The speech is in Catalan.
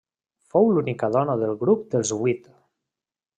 Fou l'única dona del Grup dels vuit.